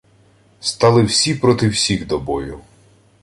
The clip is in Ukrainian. Стали всі проти всіх до бою